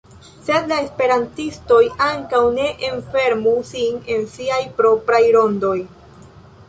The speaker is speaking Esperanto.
Sed la esperantistoj ankaŭ ne enfermu sin en siaj propraj rondoj.